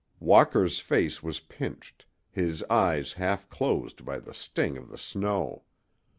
Walker's face was pinched, his eyes half closed by the sting of the snow.